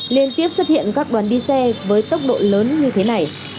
liên tiếp xuất hiện các đoàn đi xe với tốc độ lớn như thế này